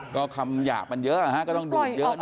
ก็คำหยาบมันเยอะนะฮะก็ต้องดูดเยอะหน่อย